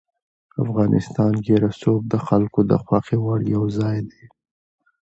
افغانستان کې رسوب د خلکو د خوښې وړ یو ځای دی.